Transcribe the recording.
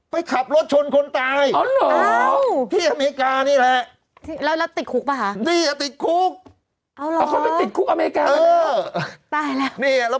ไปขับรถชนคนตายที่อเมริกานี่แหละ